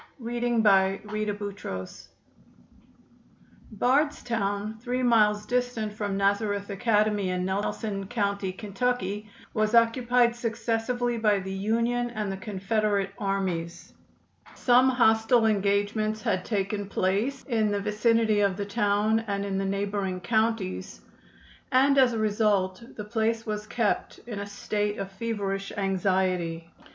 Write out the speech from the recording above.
Bardstown, three miles distant from Nazareth Academy, in Nelson County, Ky., was occupied successively by the Union and the Confederate armies. Some hostile engagements had taken place in the vicinity of the town and in the neighboring counties, and as a result the place was kept in a state of feverish anxiety.